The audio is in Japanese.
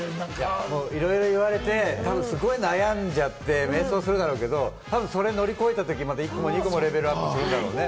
いろいろ言われて、すごく悩んじゃって、迷走するだろうけれども、それを乗り越えたとき、１個も２個もレベルアップしていくだろうね。